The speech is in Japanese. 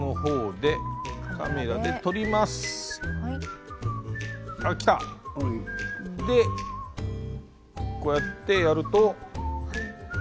でこうやってやると。